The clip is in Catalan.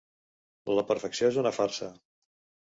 La perfecció és una farsa.